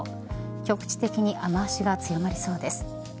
局地的に雨脚が強まりそうです。